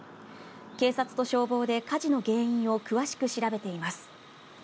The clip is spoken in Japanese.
警察と消防で火事の原因を詳しく調べています。